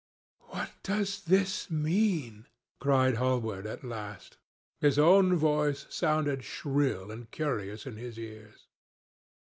"What does this mean?" cried Hallward, at last. His own voice sounded shrill and curious in his ears.